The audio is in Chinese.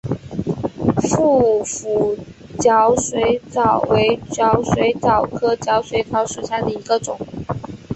腹斧角水蚤为角水蚤科角水蚤属下的一个种。